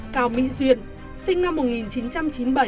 cao mỹ duyên sinh năm một nghìn chín trăm chín mươi bảy